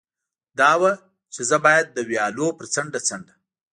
دا وه، چې زه باید د ویالو پر څنډه څنډه.